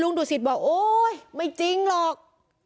ลุงดูศิษย์บอกโอ้ยไม่จริงหรอก